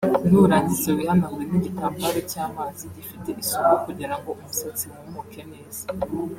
nurangiza wihanagure n’igitambaro cy’amazi gifite isuku kugira ngo umusatsi wumuke neza